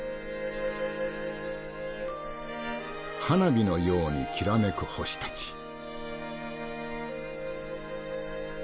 花火のようにきらめく星たち。